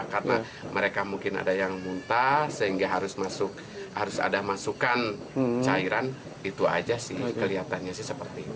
karena mereka mungkin ada yang muntah sehingga harus ada masukan cairan itu aja sih kelihatannya sih seperti itu